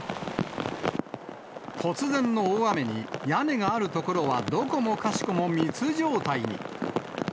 突然の大雨に、屋根がある所はどこもかしこも密状態に。